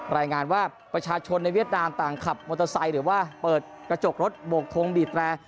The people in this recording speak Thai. รายงานว่าประชาชนในเวียดนามต่างขับมอเตอร์ไซค์หรือว่าเปิดกระจกรถโบกทงบีบแตร